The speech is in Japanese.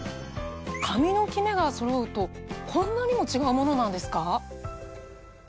髪のキメがそろうとこんなにも違うものなんですか？